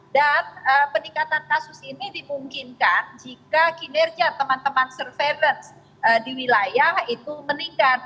dan peningkatan kasus ini dimungkinkan jika kinerja teman teman surveillance di wilayah itu meningkat